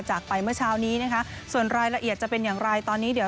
จากไปเมื่อเช้านี้นะคะส่วนรายละเอียดจะเป็นอย่างไรตอนนี้เดี๋ยว